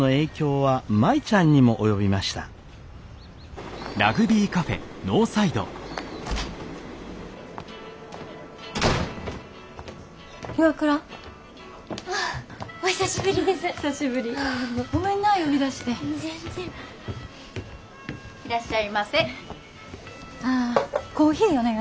はい。